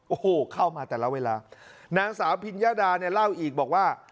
โอ้โหเข้ามาแต่ละเวลานางสาวพิญญาดาเนี่ยเล่าอีกบอกว่า